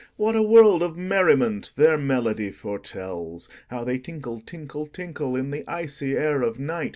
What a world of merriment their melody foretells! How they tinkle, tinkle, tinkle, In the icy air of night!